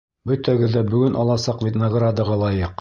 — Бөтәгеҙ ҙә бөгөн аласаҡ наградаға лайыҡ.